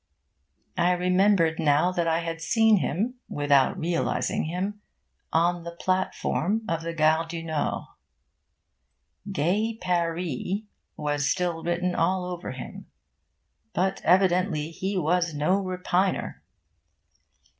I remembered now that I had seen him, without realising him, on the platform of the Gare du Nord. 'Gay Paree' was still written all over him. But evidently he was no repiner.